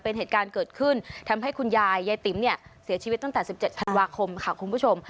เป็นเหตุการณ์เกิดขึ้นทำให้คุณยายยายติ๋มเนี่ยเสียชีวิตตั้งแต่๑๗ธันวาคมค่ะคุณผู้ชม